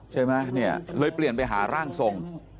ใช่มั้ยเลยเปลี่ยนไปหาร่างทรง